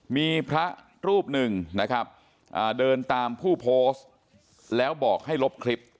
มีพระรูปหนึ่งนะครับเดินตามผู้โพสต์แล้วบอกให้ลบคลิป